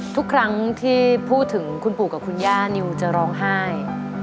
ทุกครั้งที่พูดถึงคุณปู่กับคุณย่านิวจะร้องไห้